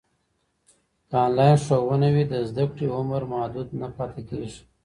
که انلاین ښوونه وي، د زده کړې عمر محدود نه پاته کېږي.